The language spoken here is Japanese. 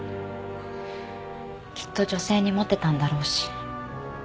きっと女性にモテたんだろうし。